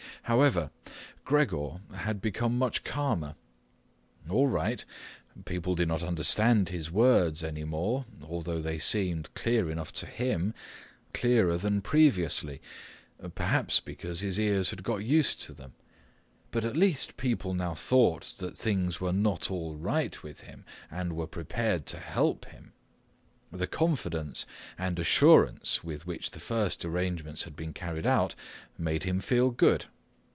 However, Gregor had become much calmer. All right, people did not understand his words any more, although they seemed clear enough to him, clearer than previously, perhaps because his ears had gotten used to them. But at least people now thought that things were not all right with him and were prepared to help him. The confidence and assurance with which the first arrangements had been carried out made him feel good.